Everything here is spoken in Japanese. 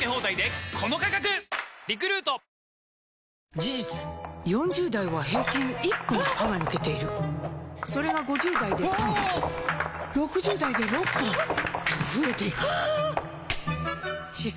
事実４０代は平均１本歯が抜けているそれが５０代で３本６０代で６本と増えていく歯槽